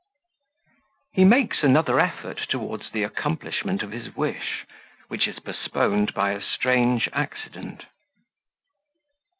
He makes another Effort to towards the Accomplishment of his Wish, which is postponed by a strange Accident.